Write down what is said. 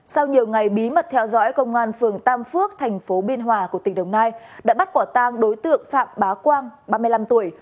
sau nhiều ngày bí mật theo dõi công an phường tam phước thành phố biên hòa của tỉnh đồng nai đã bắt quả tang đối tượng phạm bá quang ba mươi năm tuổi